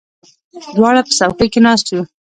دواړه په څوکۍ کې ناست یو.